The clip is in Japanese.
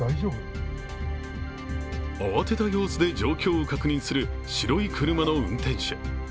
慌てた様子で状況を確認する白い車の運転手。